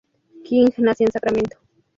King nació en Sacramento.